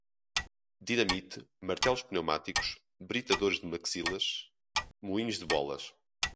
dinamite, martelos pneumáticos, britadores de maxilas, moinhos de bolas